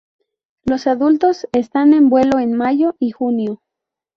Los adultos están en vuelo en mayo y junio.